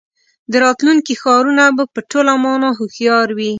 د راتلونکي ښارونه به په ټوله مانا هوښیار وي.